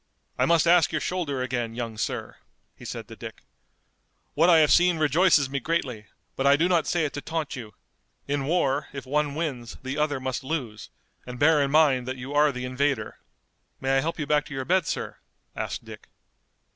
"I must ask your shoulder again, young sir," he said to Dick. "What I have seen rejoices me greatly, but I do not say it to taunt you. In war if one wins the other must lose, and bear in mind that you are the invader." "May I help you back to your bed, sir?" asked Dick.